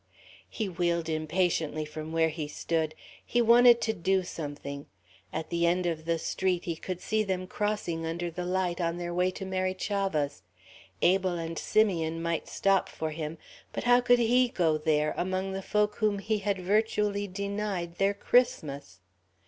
He wheeled impatiently from where he stood. He wanted to do something. At the end of the street he could see them crossing under the light, on their way to Mary Chavah's. Abel and Simeon might stop for him ... but how could he go there, among the folk whom he had virtually denied their Christmas?